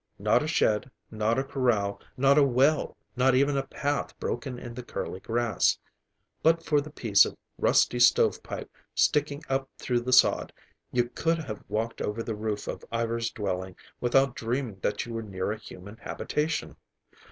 Not a shed, not a corral, not a well, not even a path broken in the curly grass. But for the piece of rusty stovepipe sticking up through the sod, you could have walked over the roof of Ivar's dwelling without dreaming that you were near a human habitation.